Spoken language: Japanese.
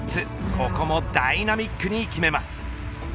ここもダイナミックに決めます。